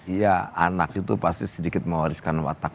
iya anak itu pasti sedikit mewariskan watak